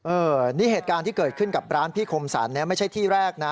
นี่เหตุการณ์ที่เกิดขึ้นกับร้านพี่คมสรรเนี่ยไม่ใช่ที่แรกนะ